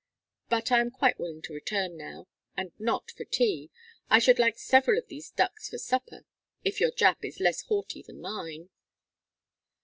But I am quite willing to return now and not for tea. I should like several of these ducks for supper, if your Jap is less haughty than mine."